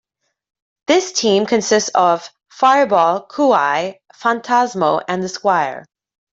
This team consists of Fireball, Kuei, Phantasmo and the Squire.